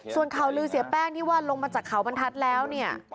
ส่วนข่าวลือเสียแป้งที่ว่าลงมาจากเขาบรรทัศน์แล้วเนี่ย